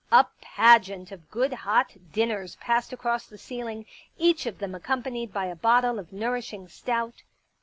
A pageant of Good Hot Dinners passed across the ceiling, each of them accompanied by a bottle of Nourishing Stout.